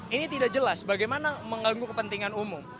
ini tidak jelas bagaimana mengganggu kepentingan umum